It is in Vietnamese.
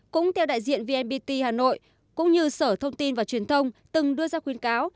cũng theo đại diện vnpt hà nội cũng như sở thông tin và truyền thông từng đưa ra khuyến cáo